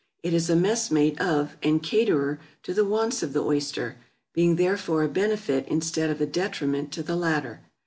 It is a messmate of and caterer to the wants of the oyster, being therefore a benefit instead of a detriment to the latter.